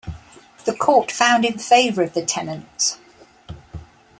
The Court found in favour of the tenants.